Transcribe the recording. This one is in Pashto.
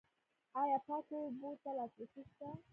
آیا پاکو اوبو ته لاسرسی شته؟